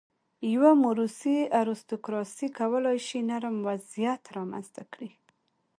یوه موروثي ارستوکراسي کولای شي نرم وضعیت رامنځته کړي.